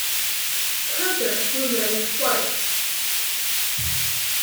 Hunter was married twice.